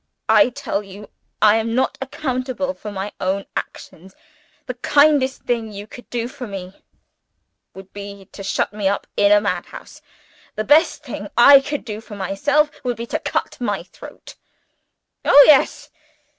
I tell you I am not accountable for my own actions. The kindest thing you could do for me would be to shut me up in a madhouse. The best thing I could do for myself would be to cut my throat. Oh, yes!